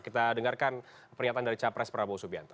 kita dengarkan pernyataan dari capres prabowo subianto